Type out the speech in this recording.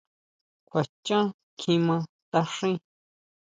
¿Kjua xhán kjimá taáxin?